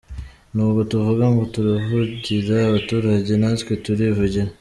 Nubwo tuvuga ngo turavugira abaturage natwe turivugira.